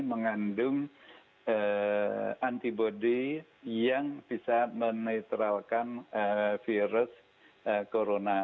mengandung antibody yang bisa menetralkan virus corona